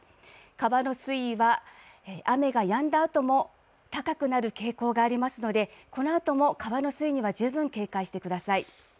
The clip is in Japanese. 川の水位は雨がやんだあとも高くなる傾向がありますのでこのあとも川の水位には十分警戒してください。